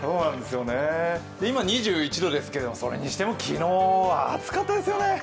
今、２１度ですけれども、それにしても昨日は暑かったですよね。